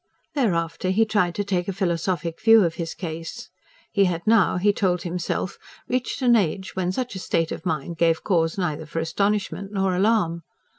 Thereafter he tried to take a philosophic view of his case. He had now, he told himself, reached an age when such a state of mind gave cause neither for astonishment nor alarm.